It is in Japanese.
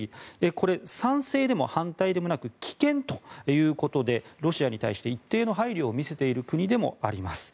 これ、賛成でも反対でもなく棄権ということでロシアに対して一定の配慮を見せている国でもあります。